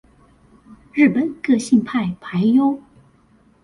日本個性派俳優